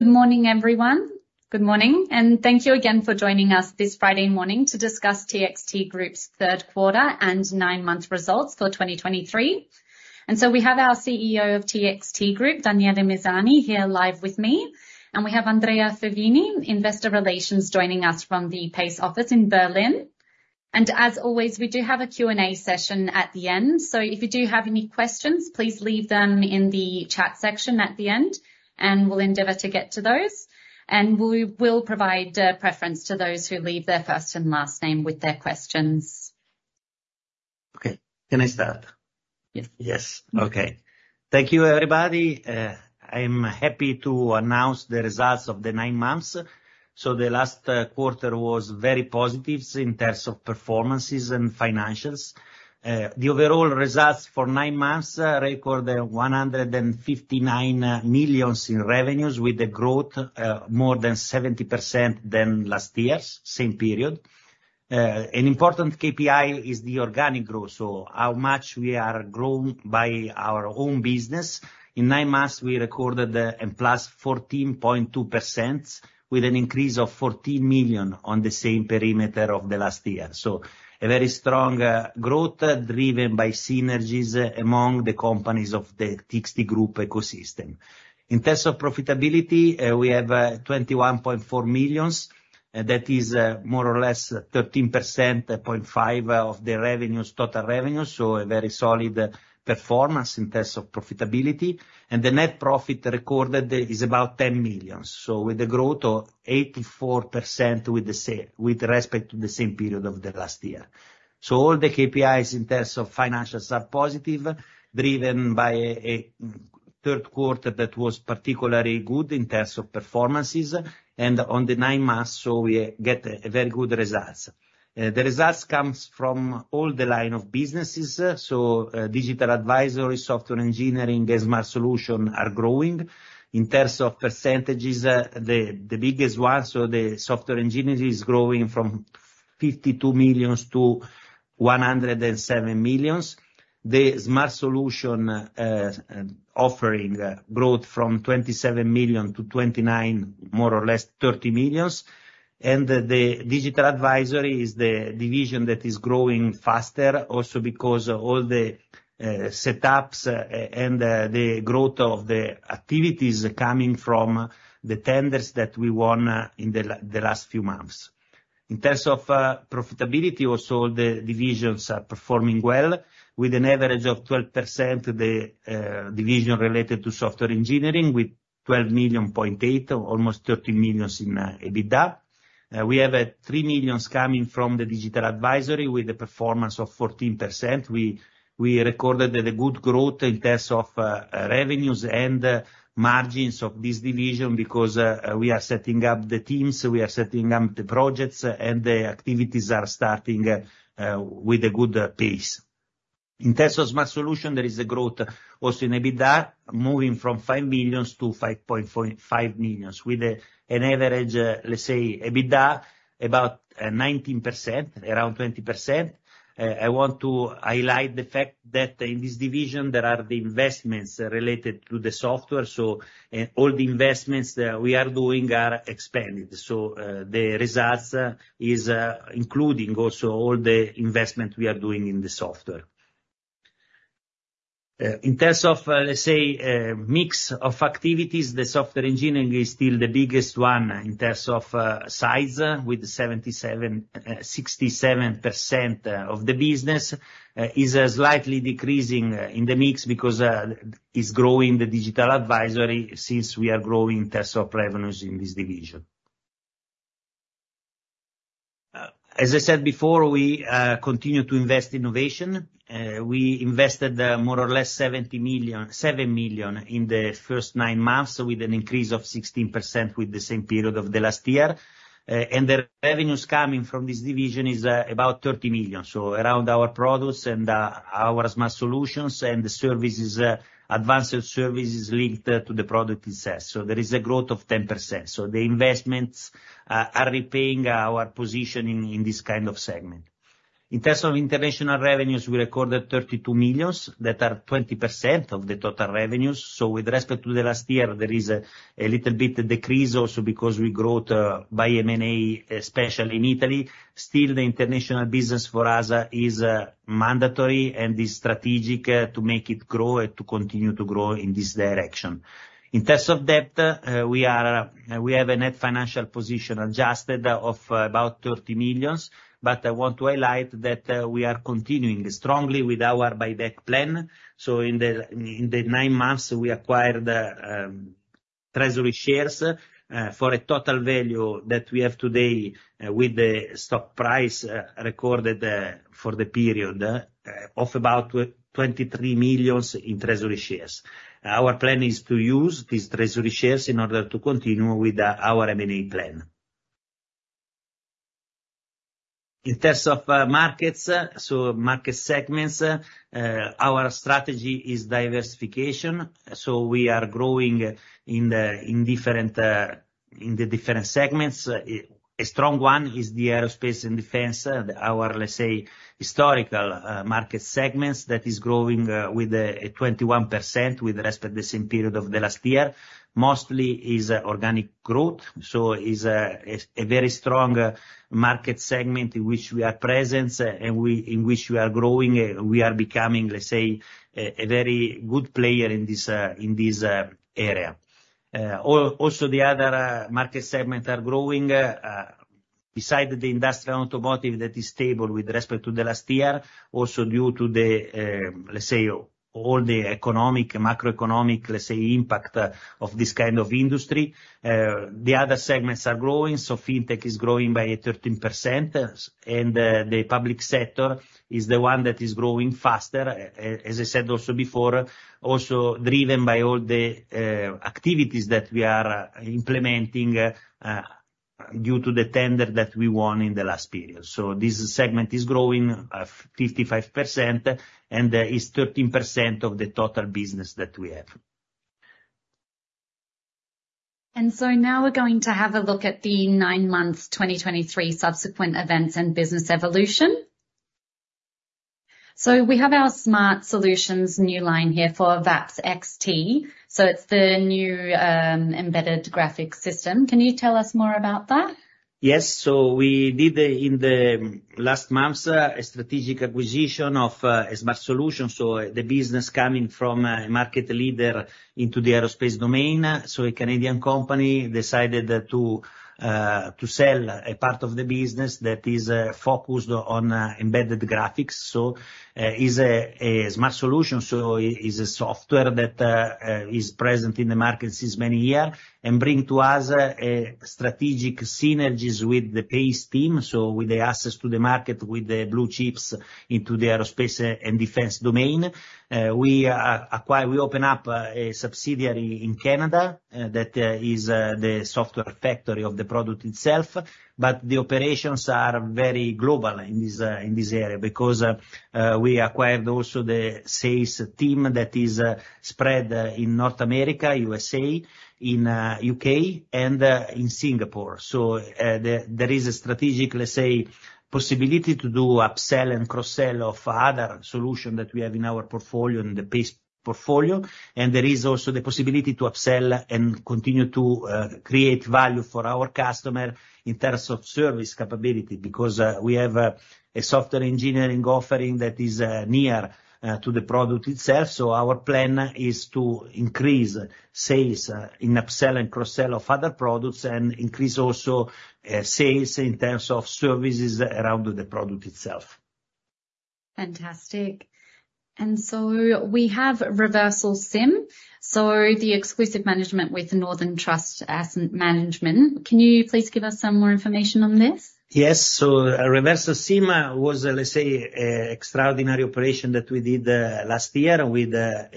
Good morning, everyone. Good morning, and thank you again for joining us this Friday morning to discuss TXT Group's third quarter and nine-month results for 2023. So we have our CEO of TXT Group, Daniele Misani, here live with me, and we have Andrea Favini, Investor Relations, joining us from the PACE office in Berlin. And as always, we do have a Q&A session at the end, so if you do have any questions, please leave them in the chat section at the end, and we'll endeavor to get to those. And we will provide preference to those who leave their first and last name with their questions. Okay. Can I start? Yes. Yes. Okay. Thank you, everybody. I'm happy to announce the results of the nine months. So the last quarter was very positive in terms of performances and financials. The overall results for nine months recorded 159 million in revenues, with a growth more than 70% than last year's same period. An important KPI is the organic growth, so how much we are grown by our own business. In nine months, we recorded a +14.2%, with an increase of 14 million on the same perimeter of the last year. So a very strong growth, driven by synergies among the companies of the TXT Group ecosystem. In terms of profitability, we have 21.4 million. That is, more or less 13.5% of the revenues, total revenues, so a very solid performance in terms of profitability. And the net profit recorded is about 10 million, so with a growth of 84% with respect to the same period of the last year. So all the KPIs in terms of financials are positive, driven by a third quarter that was particularly good in terms of performances. And on the nine months, so we get very good results. The results comes from all the line of businesses, so digital advisory, software engineering, and smart solution are growing. In terms of percentages, the biggest one, so the software engineering is growing from 52 million to 107 million. The smart solution offering growth from 27 million to 29 million, more or less 30 million. The digital advisory is the division that is growing faster, also because of all the setups and the growth of the activities coming from the tenders that we won in the last few months. In terms of profitability, also, the divisions are performing well, with an average of 12%, the division related to software engineering, with 12.8 million, almost 13 million in EBITDA. We have 3 million coming from the digital advisory with a performance of 14%. We recorded a good growth in terms of revenues and margins of this division because we are setting up the teams, we are setting up the projects, and the activities are starting with a good pace. In terms of smart solution, there is a growth also in EBITDA, moving from 5 million to 5.4 million, with an average, let's say, EBITDA, about 19%, around 20%. I want to highlight the fact that in this division there are the investments related to the software, so all the investments that we are doing are expanded. The results is including also all the investment we are doing in the software. In terms of, let's say, a mix of activities, the software engineering is still the biggest one in terms of size, with 77, 67% of the business. Is slightly decreasing in the mix because it's growing the digital advisory since we are growing in terms of revenues in this division. As I said before, we continue to invest in innovation. We invested more or less seven million in the first nine months, with an increase of 16% with the same period of the last year. The revenues coming from this division is about 30 million, so around our products and our smart solutions and the services, advanced services linked to the product itself. So there is a growth of 10%. The investments are repaying our positioning in this kind of segment. In terms of international revenues, we recorded 32 million, that are 20% of the total revenues. With respect to the last year, there is a little bit decrease also because we growth by M&A, especially in Italy. Still, the international business for us is mandatory and is strategic to make it grow and to continue to grow in this direction. In terms of debt, we have a net financial position adjusted of about 30 million, but I want to highlight that we are continuing strongly with our buyback plan. So in the nine months, we acquired treasury shares for a total value that we have today with the stock price recorded for the period of about 23 million in treasury shares. Our plan is to use these treasury shares in order to continue with our M&A plan. In terms of markets, so market segments, our strategy is diversification, so we are growing in the different segments. A strong one is the aerospace and defense, our, let's say, historical market segments that is growing with a 21% with respect the same period of the last year. Mostly is organic growth, so is a, is a very strong market segment in which we are present, and we in which we are growing, we are becoming, let's say, a, a very good player in this in this area. Also, the other market segment are growing beside the industrial automotive that is stable with respect to the last year. Also, due to the, let's say, all the economic and macroeconomic, let's say, impact of this kind of industry. The other segments are growing, so fintech is growing by 13%, and the public sector is the one that is growing faster. As I said also before, also driven by all the activities that we are implementing due to the tender that we won in the last period. So this segment is growing 55%, and is 13% of the total business that we have. Now we're going to have a look at the 9 months, 2023 subsequent events and business evolution. We have our smart solutions, new line here for VAPS XT. It's the new, embedded graphics system. Can you tell us more about that? Yes. So we did, in the last months, a strategic acquisition of a smart solution. So the business coming from a market leader into the aerospace domain. So a Canadian company decided to sell a part of the business that is focused on embedded graphics. So, is a smart solution, so is a software that is present in the market since many year, and bring to us strategic synergies with the PACE team. So with the access to the market, with the blue chips into the aerospace and defense domain, we open up a subsidiary in Canada that is the software factory of the product itself. But the operations are very global in this area, because we acquired also the sales team that is spread in North America, USA, in U.K., and in Singapore. So there is a strategic, let's say, possibility to do upsell and cross-sell of other solution that we have in our portfolio, in the PACE portfolio. And there is also the possibility to upsell and continue to create value for our customer in terms of service capability, because we have a software engineering offering that is near to the product itself. So our plan is to increase sales in upsell and cross-sell of other products, and increase also sales in terms of services around the product itself. Fantastic. And so we have Reversal SIM, so the exclusive management with Northern Trust Asset Management. Can you please give us some more information on this? Yes. So, Reversal SIM was, let's say, an extraordinary operation that we did last year with an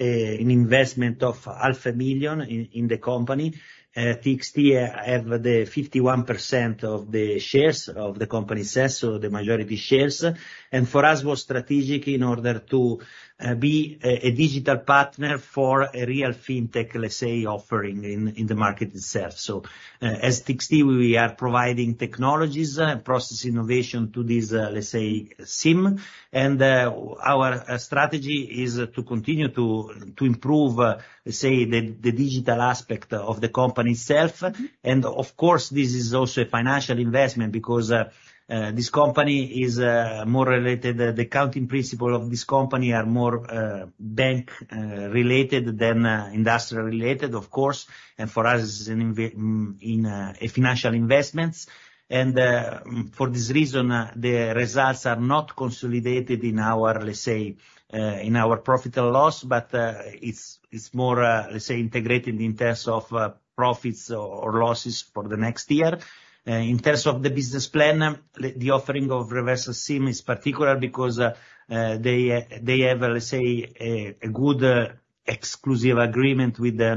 investment of 500,000 in the company. TXT has the 51% of the shares of the company shares, so the majority shares. And for us, was strategic in order to be a digital partner for a real fintech, let's say, offering in the market itself. So, as TXT, we are providing technologies and process innovation to this, let's say, SIM. And our strategy is to continue to improve, say, the digital aspect of the company itself. And of course, this is also a financial investment because this company is more related... The accounting principle of this company are more bank related than industrial related, of course, and for us is a financial investment. And for this reason, the results are not consolidated in our, let's say, profit or loss, but it's more, let's say, integrated in terms of profits or losses for the next year. In terms of the business plan, the offering of Reversal SIM is particular because they have, let's say, a good exclusive agreement with the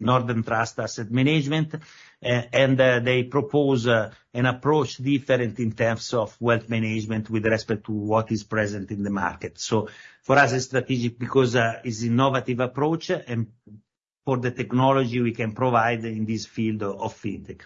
Northern Trust Asset Management. And they propose an approach different in terms of wealth management with respect to what is present in the market. So for us, it's strategic because it's innovative approach, and for the technology we can provide in this field of fintech.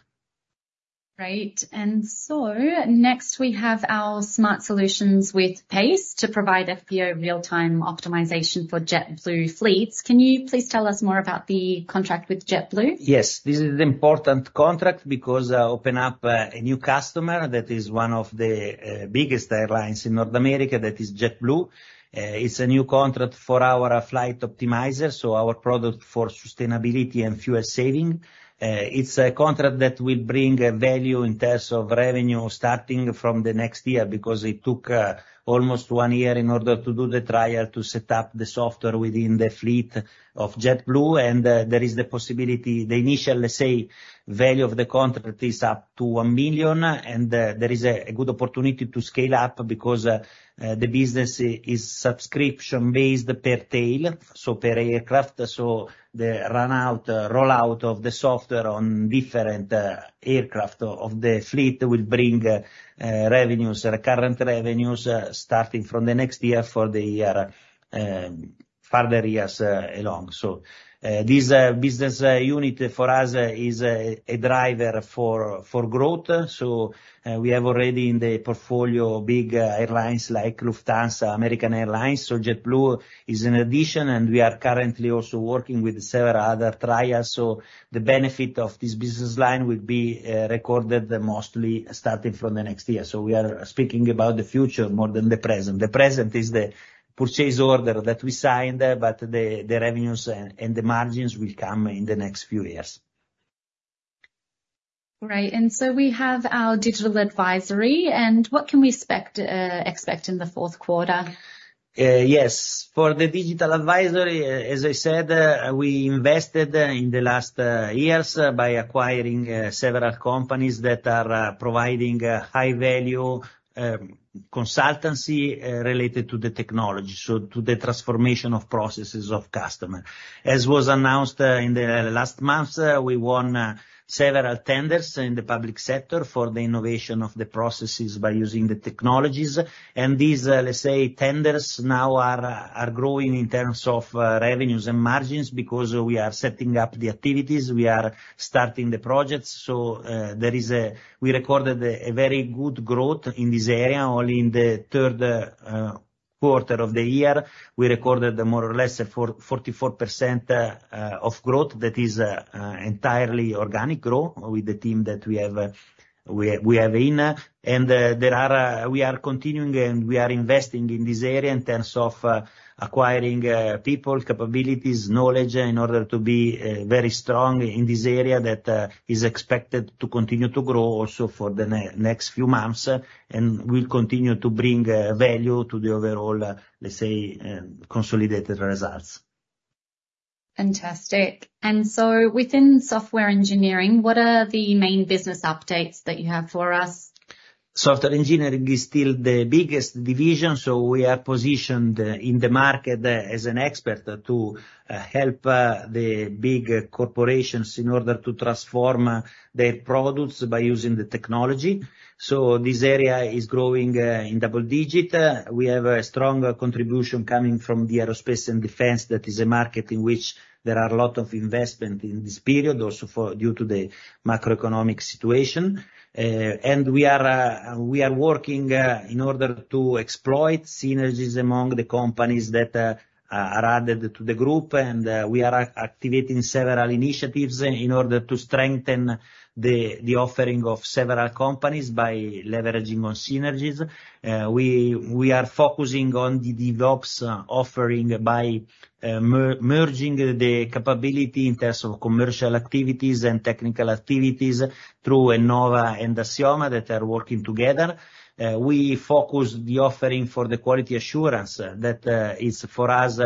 Great. Next, we have our Smart Solutions with PACE to provide FBO real-time optimization for JetBlue fleets. Can you please tell us more about the contract with JetBlue? Yes, this is an important contract because it opens up a new customer that is one of the biggest airlines in North America, that is JetBlue. It's a new contract for our flight optimizer, so our product for sustainability and fuel saving. It's a contract that will bring value in terms of revenue, starting from the next year, because it took almost one year in order to do the trial, to set up the software within the fleet of JetBlue. And there is the possibility... The initial, let's say, value of the contract is up to $1 million, and there is a good opportunity to scale up because the business is subscription-based per tail, so per aircraft. So the rollout of the software on different aircraft of the fleet will bring revenues, current revenues, starting from the next year for the further years along. So, this business unit for us is a driver for growth. So, we have already in the portfolio big airlines like Lufthansa, American Airlines. So JetBlue is an addition, and we are currently also working with several other trials. So the benefit of this business line will be recorded mostly starting from the next year. So we are speaking about the future more than the present. The present is the purchase order that we signed, but the revenues and the margins will come in the next few years. Right. And so we have our digital advisory, and what can we expect in the fourth quarter? Yes. For the digital advisory, as I said, we invested in the last years by acquiring several companies that are providing high-value consultancy related to the technology, so to the transformation of processes of customer. As was announced in the last month, we won several tenders in the public sector for the innovation of the processes by using the technologies. And these, let's say, tenders now are growing in terms of revenues and margins, because we are setting up the activities, we are starting the projects. So, we recorded a very good growth in this area. Only in the third quarter of the year, we recorded more or less 44% of growth. That is, entirely organic growth with the team that we have, we, we have in. And, there are-- we are continuing, and we are investing in this area in terms of, acquiring, people, capabilities, knowledge, in order to be, very strong in this area that, is expected to continue to grow also for the next few months. And we'll continue to bring, value to the overall, let's say, consolidated results. Fantastic. Within software engineering, what are the main business updates that you have for us? Software engineering is still the biggest division, so we are positioned in the market as an expert to help the big corporations in order to transform their products by using the technology. So this area is growing in double digit. We have a strong contribution coming from the aerospace and defense. That is a market in which there are a lot of investment in this period, also due to the macroeconomic situation. And we are working in order to exploit synergies among the companies that are added to the group, and we are activating several initiatives in order to strengthen the offering of several companies by leveraging on synergies. We are focusing on the DevOps offering by merging the capability in terms of commercial activities and technical activities through Ennova and Assioma, that are working together. We focus the offering for the quality assurance. That is, for us,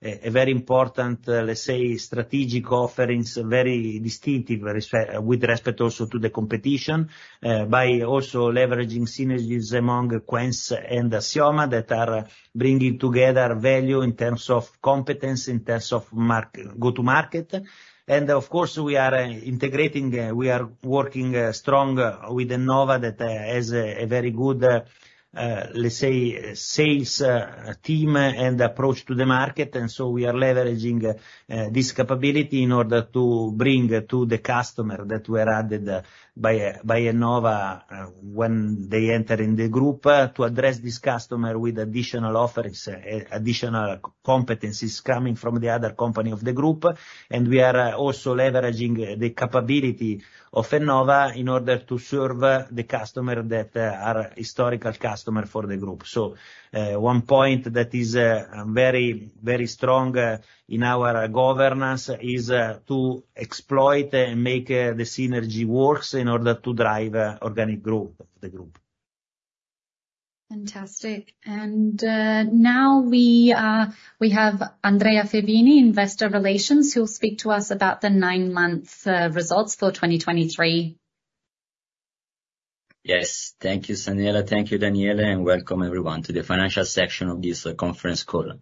a very important, let's say, strategic offerings, very distinctive with respect, with respect also to the competition, by also leveraging synergies among Quence and Assioma, that are bringing together value in terms of competence, in terms of market, go-to-market. And of course, we are integrating, we are working strong with Ennova, that has a very good, let's say, sales team and approach to the market. And so we are leveraging this capability in order to bring to the customer that were added by, by Ennova, when they enter in the group, to address this customer with additional offerings, additional competencies coming from the other company of the group. And we are also leveraging the capability of Ennova in order to serve the customer that are historical customer for the group. So, one point that is very, very strong in our governance is to exploit and make the synergy works in order to drive organic growth of the group. Fantastic. Now we have Andrea Favini, Investor Relations, who'll speak to us about the nine-month results for 2023. Yes. Thank you, Zaneta. Thank you, Daniele, and welcome everyone to the financial section of this conference call.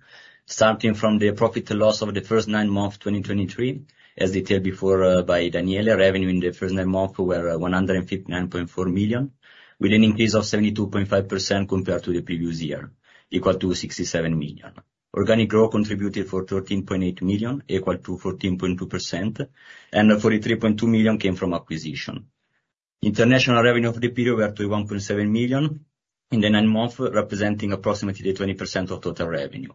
Starting from the profit and loss of the first nine months of 2023, as detailed before by Daniele, revenue in the first nine months were 159.4 million, with an increase of 72.5% compared to the previous year, equal to 67 million. Organic growth contributed for 13.8 million, equal to 14.2%, and 43.2 million came from acquisition. International revenue for the period were 21.7 million in the nine months, representing approximately 20% of total revenue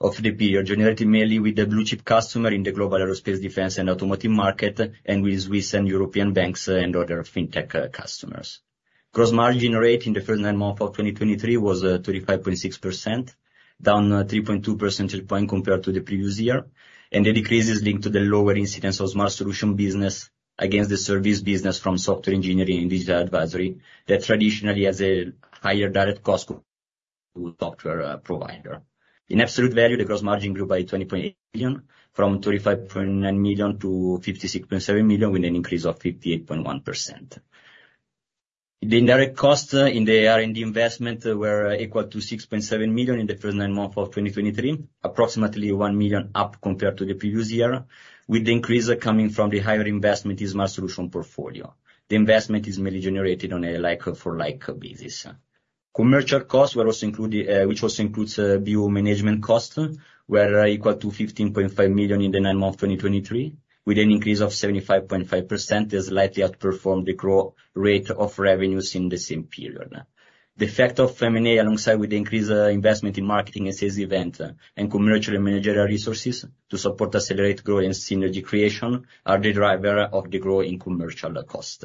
of the period, generated mainly with the blue chip customer in the global aerospace, defense, and automotive market, and with Swiss and European banks and other fintech customers. Gross margin rate in the first nine months of 2023 was 35.6%, down 3.2 percentage point compared to the previous year. The decrease is linked to the lower incidence of smart solution business against the service business from software engineering and digital advisory, that traditionally has a higher direct cost to software provider. In absolute value, the gross margin grew by 20.8 million, from 35.9 million to 56.7 million, with an increase of 58.1%. The indirect costs in the R&D investment were equal to 6.7 million in the first nine months of 2023, approximately 1 million up compared to the previous year, with the increase coming from the higher investment in smart solution portfolio. The investment is mainly generated on a like-for-like basis.... Commercial costs were also included, which also includes bill management costs, were equal to 15.5 million in the nine months of 2023, with an increase of 75.5%, has slightly outperformed the growth rate of revenues in the same period. The effect of M&A, alongside with the increased investment in marketing and sales event, and commercial and managerial resources to support accelerated growth and synergy creation, are the driver of the growth in commercial costs.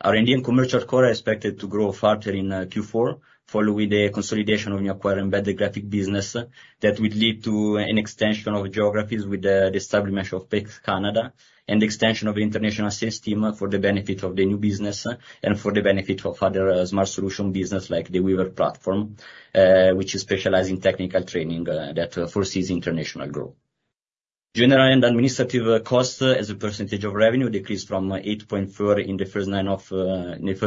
R&D and commercial core are expected to grow further in Q4, following the consolidation of the acquired Embedded Graphics business, that will lead to an extension of geographies with the establishment of PACE Canada, and extension of international sales team for the benefit of the new business, and for the benefit of other smart solution business, like the WEAVR platform, which is specialized in technical training, that foresees international growth. General and administrative costs as a percentage of revenue decreased from 8.4% in the first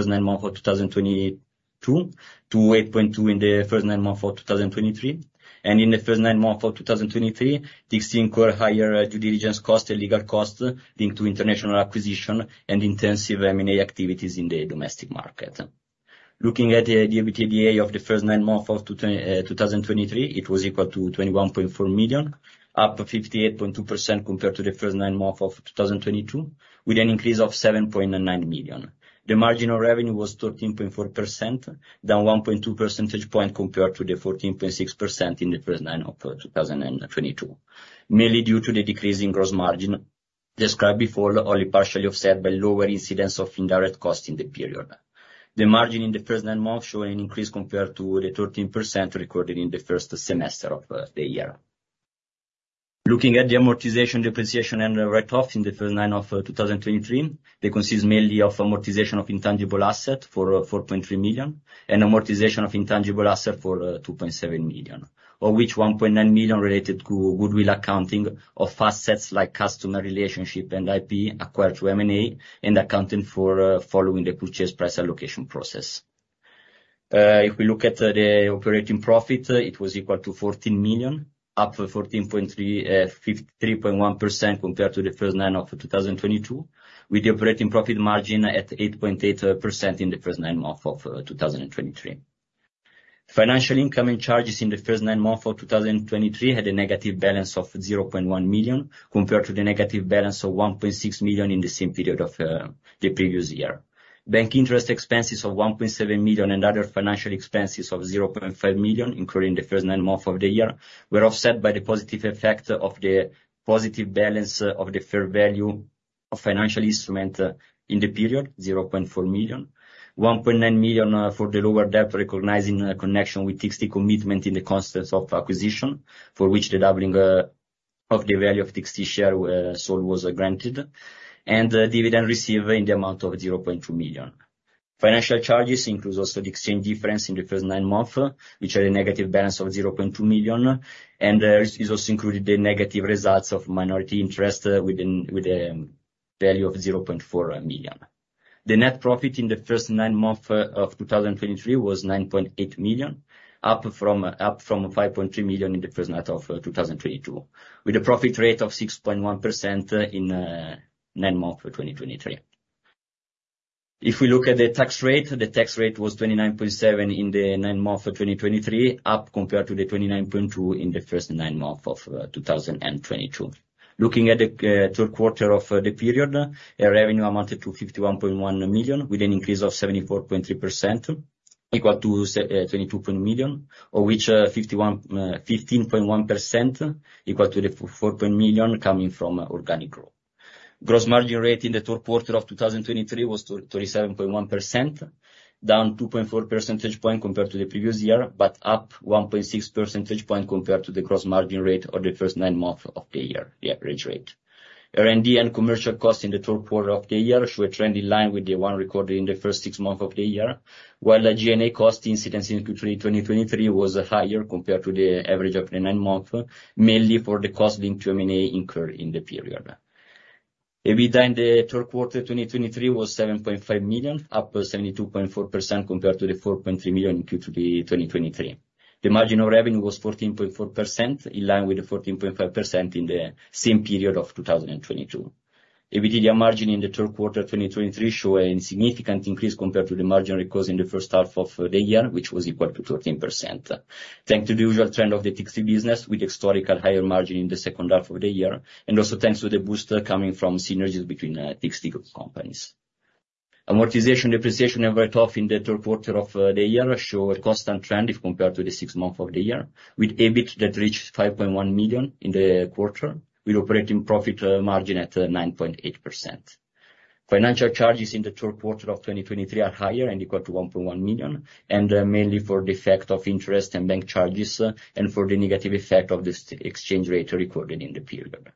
nine months of 2022 to 8.2% in the first nine months of 2023. In the first nine months of 2023, TXT incurred higher due diligence costs and legal costs linked to international acquisition and intensive M&A activities in the domestic market. Looking at the EBITDA of the first nine months of 2023, it was equal to 21.4 million, up 58.2% compared to the first nine months of 2022, with an increase of 7.9 million. The margin of revenue was 13.4%, down 1.2 percentage points compared to the 14.6% in the first nine months of 2022. Mainly due to the decrease in gross margin described before, only partially offset by lower incidence of indirect costs in the period. The margin in the first nine months show an increase compared to the 13% recorded in the first semester of the year. Looking at the amortization, depreciation, and write-offs in the first nine months of 2023, they consist mainly of amortization of intangible asset for 4.3 million, and amortization of intangible asset for 2.7 million, of which 1.9 million related to goodwill accounting of fast assets like customer relationship and IP acquired through M&A, and accounting for following the purchase price allocation process. If we look at the operating profit, it was equal to 14 million, up 14.3, 53.1% compared to the first nine months of 2022, with the operating profit margin at 8.8% in the first nine months of 2023. Financial income and charges in the first nine months of 2023 had a negative balance of 0.1 million, compared to the negative balance of 1.6 million in the same period of the previous year. Bank interest expenses of 1.7 million and other financial expenses of 0.5 million, including the first nine months of the year, were offset by the positive effect of the positive balance of the fair value of financial instrument in the period, 0.4 million. 1.9 million for the lower debt, recognizing the connection with TXT commitment in the context of acquisition, for which the doubling of the value of TXT share sold was granted, and dividend received in the amount of 0.2 million. Financial charges includes also the exchange difference in the first nine months, which had a negative balance of 0.2 million, and is also included the negative results of minority interest within, with a value of 0.4 million. The net profit in the first nine months of 2023 was 9.8 million, up from 5.3 million in the first month of 2022, with a profit rate of 6.1% in nine months for 2023. If we look at the tax rate, the tax rate was 29.7% in the nine months of 2023, up compared to the 29.2% in the first nine months of 2022. Looking at the third quarter of the period, our revenue amounted to 51.1 million, with an increase of 74.3%, equal to 22 million, of which 15.1% equal to 4 million, coming from organic growth. Gross margin rate in the third quarter of 2023 was 37.1%, down 2.4 percentage points compared to the previous year, but up 1.6 percentage points compared to the gross margin rate of the first nine months of the year, the average rate. R&D and commercial costs in the third quarter of the year show a trend in line with the one recorded in the first six months of the year, while the cost incidence in 2023 was higher compared to the average of the nine months, mainly for the cost linked to M&A incurred in the period. EBITDA in the third quarter 2023 was 7.5 million, up by 72.4% compared to the 4.3 million Q3 2023. The margin of revenue was 14.4%, in line with the 14.5% in the same period of 2022. EBITDA margin in the third quarter 2023 shows a significant increase compared to the margin recorded in the first half of the year, which was equal to 13%, thanks to the usual trend of the TXT business, with historical higher margin in the second half of the year, and also thanks to the booster coming from synergies between TXT companies. Amortization, depreciation, and write-off in the third quarter of the year show a constant trend if compared to the six months of the year, with EBIT that reached 5.1 million in the quarter, with operating profit margin at 9.8%. Financial charges in the third quarter of 2023 are higher, and equal to 1.1 million, and mainly for the effect of interest and bank charges, and for the negative effect of the exchange rate recorded in the period.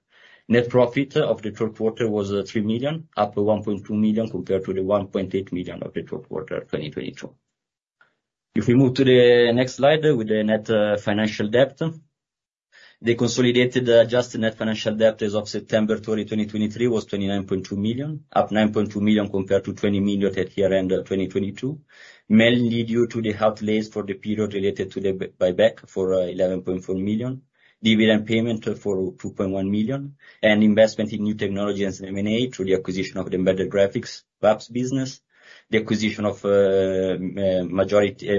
Net profit of the third quarter was three million, up 1.2 million compared to the 1.8 million of the third quarter of 2022. If we move to the next slide, with the net financial debt. The consolidated adjusted net financial debt as of September 2023 was 29.2 million, up 9.2 million compared to 20 million at year-end 2022, mainly due to the outlays for the period related to the buyback for 11.4 million, dividend payment for 2.1 million, and investment in new technology and M&A through the acquisition of the Embedded Graphics business, the acquisition of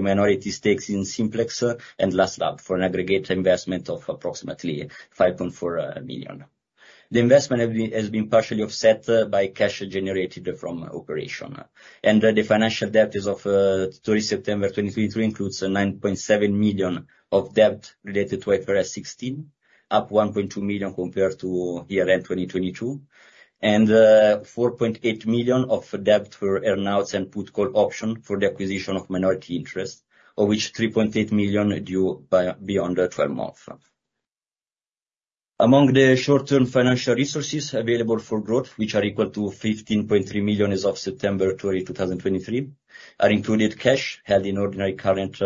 minority stakes in Simplex and LasLAB, for an aggregate investment of approximately 5.4 million. The investment has been partially offset by cash generated from operations. The financial debt as of September 2023 includes 9.7 million of debt related to IFRS 16, up 1.2 million compared to year-end 2022, and 4.8 million of debt for earnouts and put-call option for the acquisition of minority interest, of which 3.8 million are due by beyond 12 months. Among the short-term financial resources available for growth, which are equal to 15.3 million as of September 20, 2023, are included cash held in ordinary current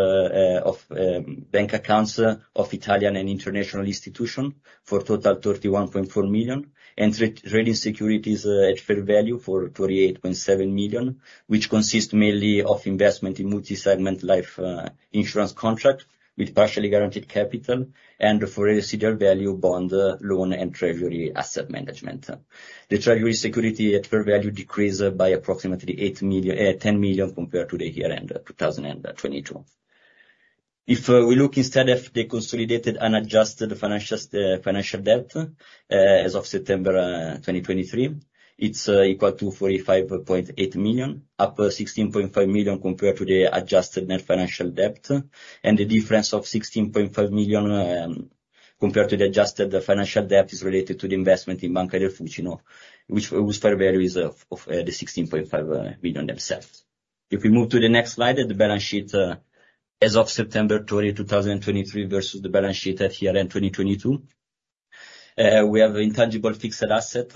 accounts of Italian and international institution, for a total of 31.4 million, and trading securities at fair value for 38.7 million, which consists mainly of investment in multi-segment life insurance contract with partially guaranteed capital and for residual value bond, loan, and treasury asset management. The treasury security at fair value decreased by approximately 8 million, 10 million compared to the year end 2022. If we look instead at the consolidated unadjusted financials, financial debt, as of September 2023, it's equal to 45.8 million, up 16.5 million compared to the adjusted net financial debt. And the difference of 16.5 million, compared to the adjusted financial debt, is related to the investment in Banca del Fucino, which, whose fair value is of, of, the 16.5 million themselves. If we move to the next slide, the balance sheet, as of 20 September 2023, versus the balance sheet at year-end 2022, we have intangible fixed asset,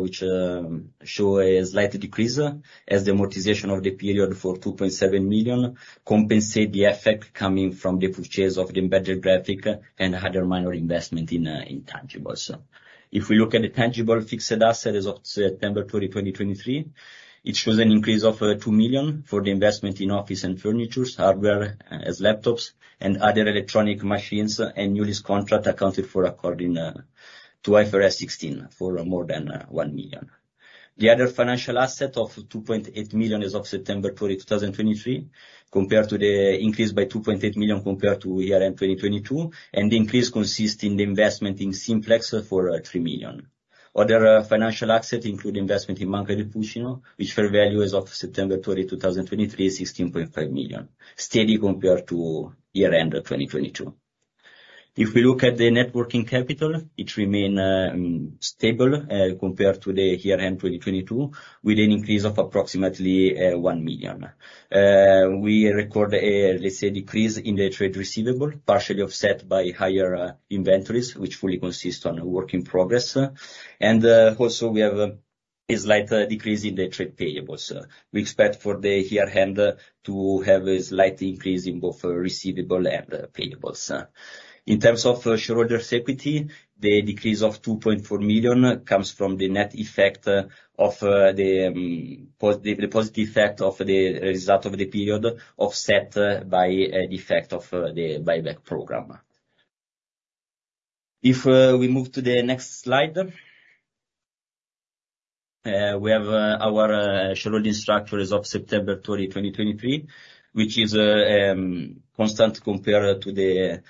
which, show a slight decrease, as the amortization of the period for 2.7 million compensate the effect coming from the purchase of the embedded graphics and other minor investment in, intangibles. If we look at the tangible fixed assets as of 30 September 2023, it shows an increase of 2 million for the investment in office and furniture, hardware, as laptops, and other electronic machines, and lease contract accounted for according to IFRS 16 for more than 1 million. The other financial asset of 2.8 million as of September 2023, compared to the increase by 2.8 million compared to year-end 2022, and the increase consists in the investment in Simplex for 3 million. Other financial assets include investment in Banca del Fucino, which fair value as of 30 September 2023, is 16.5 million, steady compared to year-end 2022. If we look at the net working capital, it remain stable compared to the year-end 2022, with an increase of approximately 1 million. We record a, let's say, decrease in the trade receivable, partially offset by higher inventories, which fully consist on work in progress. And also, we have a slight decrease in the trade payables. We expect for the year-end to have a slight increase in both receivable and payables. In terms of shareholders' equity, the decrease of 2.4 million comes from the net effect of the positive effect of the result of the period, offset by the effect of the buyback program. If we move to the next slide, we have our shareholder structure as of 20 September 2023, which is constant compared to the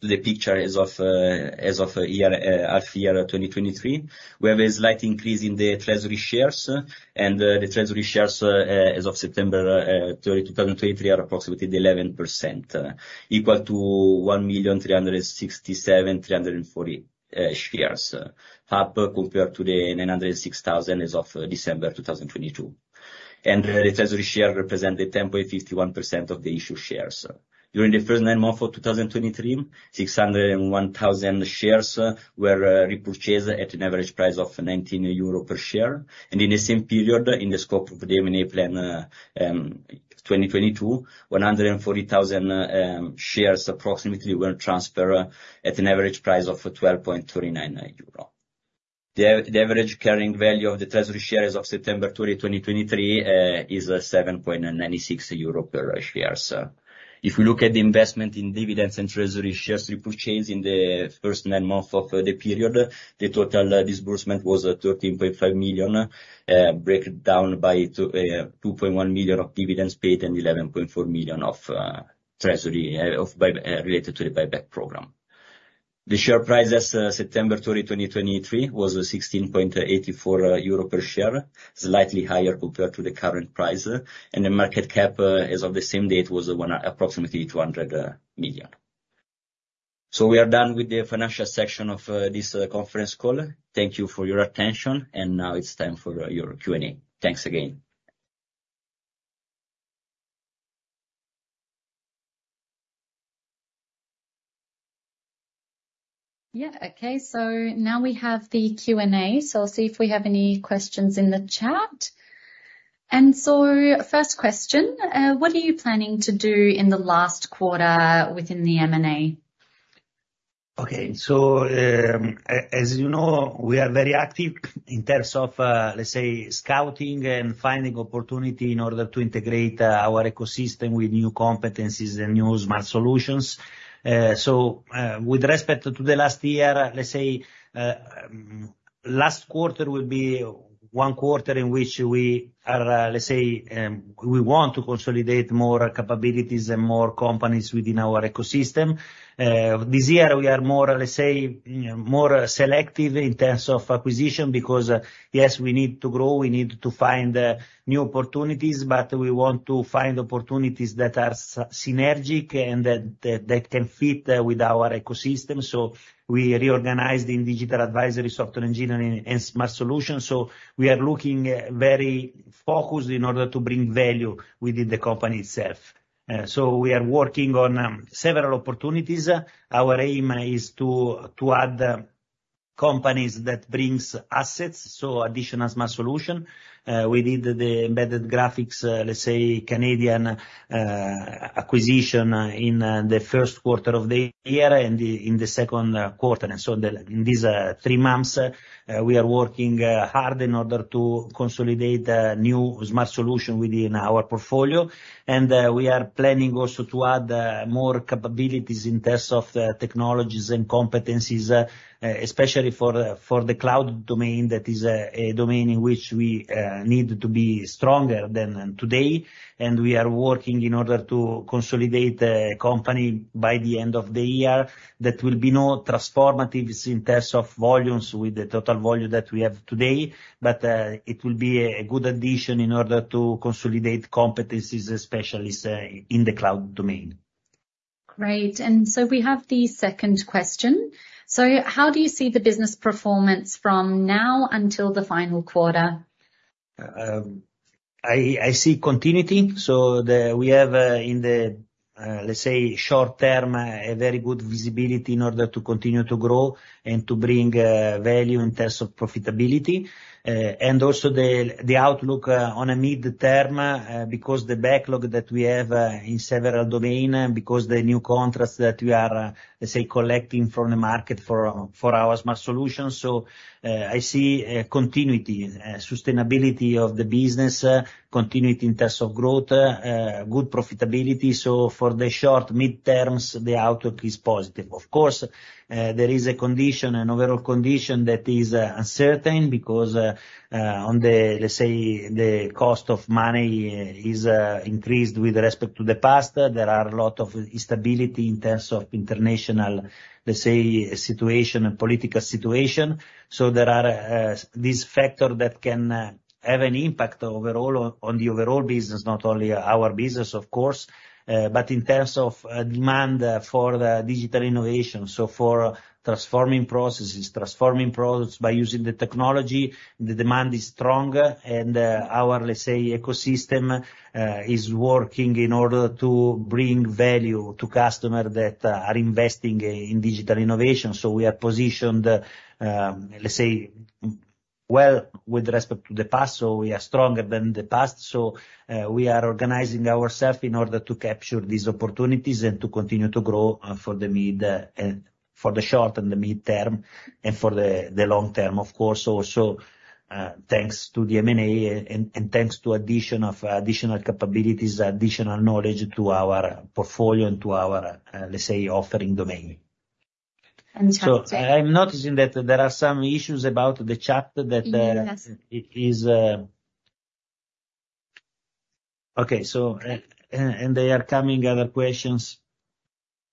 picture as of half year 2023. We have a slight increase in the treasury shares, and the treasury shares as of 20 September 2023, are approximately 11% equal to 1,367,340 shares, up compared to the 906,000 as of December 2022. The treasury share represent the 10.51% of the issued shares. During the first nine months of 2023, 601,000 shares were repurchased at an average price of 19 euro per share, and in the same period, in the scope of the M&A plan, 2022, 140,000 shares, approximately, were transferred at an average price of 12.39 euro. The average carrying value of the treasury shares of 20 September 2023, is 7.96 euro per share. If we look at the investment in dividends and treasury shares repurchased in the first nine months of the period The total disbursement was 13.5 million, breakdown by two point one billion of dividends paid and 11.4 million of treasury related to the buyback program. The share price as of 20 September 2023, was 16.84 euro per share, slightly higher compared to the current price, and the market cap, as of the same date, was approximately 200 million. So we are done with the financial section of this conference call. Thank you for your attention, and now it's time for your Q&A. Thanks again. Yeah. Okay, so now we have the Q&A, so I'll see if we have any questions in the chat. First question: What are you planning to do in the last quarter within the M&A? Okay. So, as you know, we are very active in terms of, let's say, scouting and finding opportunity in order to integrate our ecosystem with new competencies and new smart solutions. With respect to the last year, let's say, Last quarter will be one quarter in which we are, let's say, we want to consolidate more capabilities and more companies within our ecosystem. This year we are more, let's say, more selective in terms of acquisition, because yes, we need to grow, we need to find new opportunities, but we want to find opportunities that are synergistic and that can fit with our ecosystem. So we reorganized in digital advisory, software engineering, and smart solutions. So we are looking very focused in order to bring value within the company itself. So we are working on several opportunities. Our aim is to add companies that brings assets, so additional smart solution. We did the embedded graphics, let's say, Canadian acquisition in the first quarter of the year and in the second quarter. And so in these three months, we are working hard in order to consolidate new smart solution within our portfolio. And we are planning also to add more capabilities in terms of technologies and competencies, especially for the cloud domain. That is a domain in which we need to be stronger than today. And we are working in order to consolidate company by the end of the year. That will be not transformative in terms of volumes with the total volume that we have today, but it will be a good addition in order to consolidate competencies, especially in the cloud domain. Great. And so we have the second question: So how do you see the business performance from now until the final quarter? I see continuity. We have in the, let's say, short term, a very good visibility in order to continue to grow and to bring value in terms of profitability. And also the outlook on a mid term because the backlog that we have in several domain because the new contracts that we are, let's say, collecting from the market for our smart solutions. So I see a continuity, sustainability of the business, continuity in terms of growth, good profitability. So for the short, mid terms, the outlook is positive. Of course, there is a condition, an overall condition that is uncertain because on the, let's say, the cost of money is increased with respect to the past. There are a lot of instability in terms of international, let's say, situation and political situation. So there are this factor that can have an impact overall on the overall business, not only our business, of course, but in terms of demand for the digital innovation. So for transforming processes, transforming products by using the technology, the demand is strong. And our, let's say, ecosystem is working in order to bring value to customer that are investing in digital innovation. So we are positioned, let's say, well, with respect to the past, so we are stronger than the past. So we are organizing ourself in order to capture these opportunities and to continue to grow for the short and the mid-term, and for the long term, of course. Also, thanks to the M&A and thanks to addition of additional capabilities, additional knowledge to our portfolio and to our, let's say, offering domain. Fantastic. So I'm noticing that there are some issues about the chat that Yes it is. Okay, so, and they are coming other questions.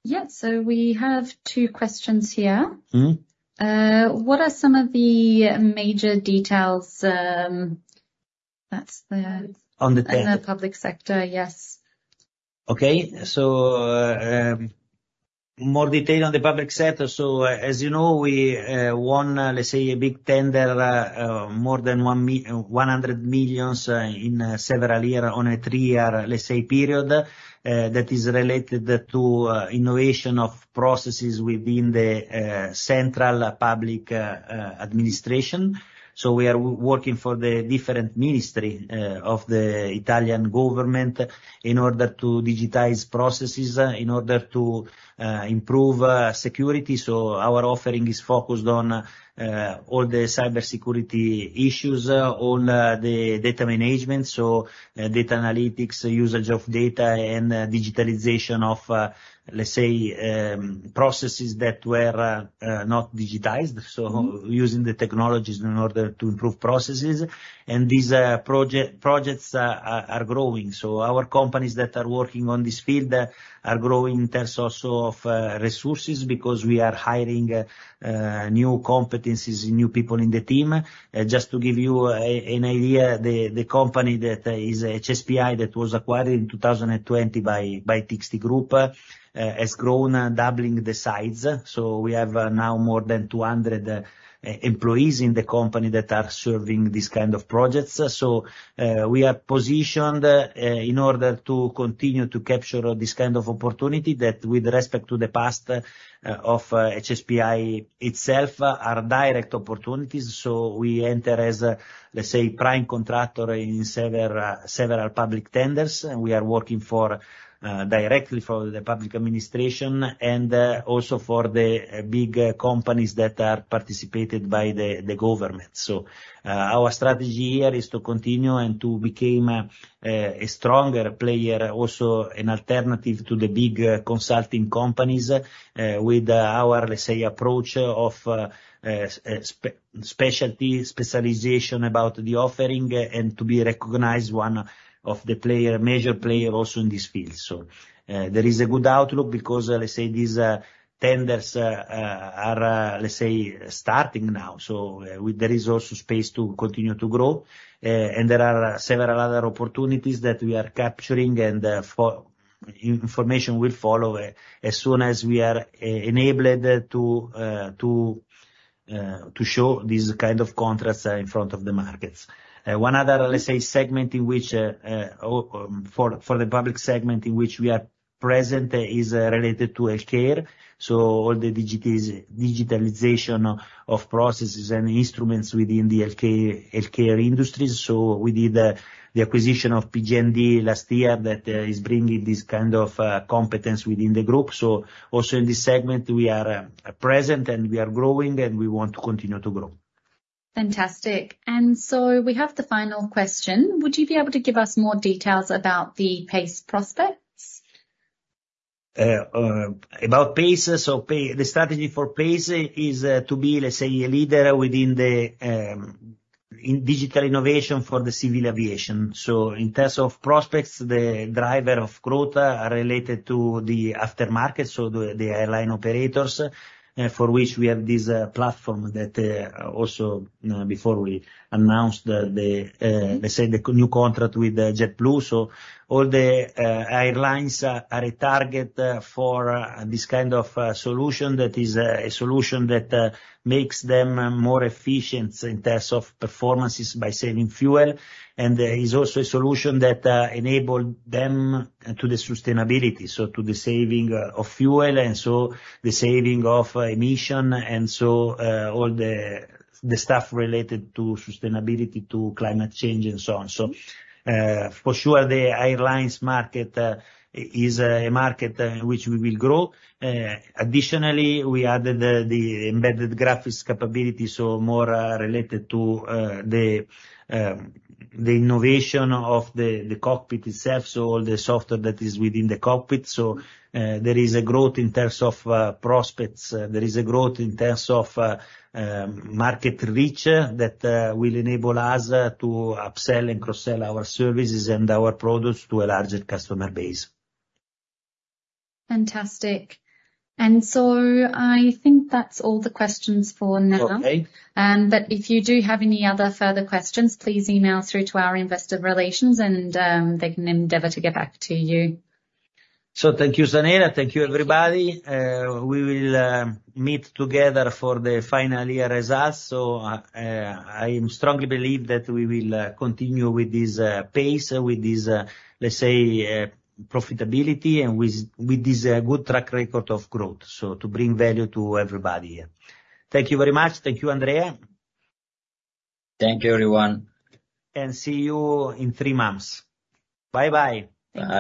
Yeah. So we have two questions here. What are some of the major details? On the tender In the public sector. Yes. Okay. So, more detail on the public sector. So, as you know, we won, let's say, a big tender, more than 100 million in several year, on a 3-year, let's say, period, that is related to innovation of processes within the central public administration. So we are working for the different ministry of the Italian government in order to digitize processes, in order to improve security. So our offering is focused on all the cybersecurity issues, all the data management, so data analytics, usage of data, and digitalization of, let's say, processes that were not digitized. So using the technologies in order to improve processes. And these projects are growing. So our companies that are working on this field are growing in terms also of resources, because we are hiring new competencies and new people in the team. Just to give you an idea, the company that is HSPI, that was acquired in 2020 by TXT Group, has grown, doubling the size. So we have now more than 200 employees in the company that are serving this kind of projects. So we are positioned in order to continue to capture this kind of opportunity, that with respect to the past of HSPI itself, are direct opportunities. So we enter as a, let's say, prime contractor in several public tenders, and we are working for directly for the public administration and also for the big companies that are participated by the government. So our strategy here is to continue and to became a stronger player, also an alternative to the big consulting companies, with our, let's say, approach of specialty, specialization about the offering, and to be recognized one of the major player also in this field. So there is a good outlook because, let's say, these tenders are, let's say, starting now, so with there is also space to continue to grow. And there are several other opportunities that we are capturing and for Information will follow as soon as we are e-enabled to show these kind of contracts in front of the markets. One other, let's say, segment in which for the public segment in which we are present is related to healthcare. So all the digitalization of processes and instruments within the healthcare industry. So we did the acquisition of PG&E last year that is bringing this kind of competence within the group. So also in this segment, we are present, and we are growing, and we want to continue to grow. Fantastic. And so we have the final question: Would you be able to give us more details about the PACE prospects? About PACE. The strategy for PACE is to be, let's say, a leader within the in digital innovation for the civil aviation. So in terms of prospects, the driver of growth are related to the aftermarket, so the airline operators for which we have this platform that also, you know, before we announced the, let's say, the new contract with JetBlue. So all the airlines are a target for this kind of solution. That is a solution that makes them more efficient in terms of performances by saving fuel, and is also a solution that enabled them to the sustainability, so to the saving of fuel, and so the saving of emission, and so all the stuff related to sustainability, to climate change, and so on. So, for sure, the airlines market is a market in which we will grow. Additionally, we added the embedded graphics capability, so more related to the innovation of the cockpit itself, so all the software that is within the cockpit. So, there is a growth in terms of prospects. There is a growth in terms of market reach that will enable us to upsell and cross-sell our services and our products to a larger customer base. Fantastic. And so I think that's all the questions for now. Okay. But if you do have any other further questions, please email through to our investor relations, and they can endeavor to get back to you. Thank you, Zaneta. Thank you, everybody. Thank you. We will meet together for the final year results, so I strongly believe that we will continue with this pace, with this, let's say, profitability, and with this good track record of growth, so to bring value to everybody. Thank you very much. Thank you, Andrea. Thank you, everyone. And see you in three months. Bye-bye. Thank you. Bye.